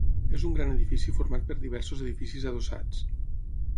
És un gran edifici format per diversos edificis adossats.